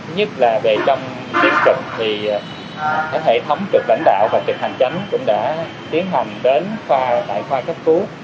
nhất là về trong tiến trực thì hệ thống trực lãnh đạo và trực hành chánh cũng đã tiến hành đến khoa tại khoa cấp cứu